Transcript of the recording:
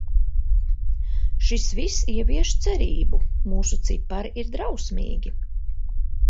Šis viss ievieš cerību. Mūsu cipari ir drausmīgi.